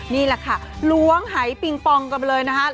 นี่แหละค่ะล้วงหายปิงปองกันไปเลยนะคะ